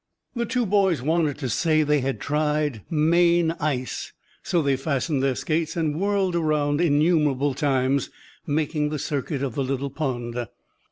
The two boys wanted to say they had tried Maine ice, so they fastened their skates and whirled around innumerable times, making the circuit of the little pond.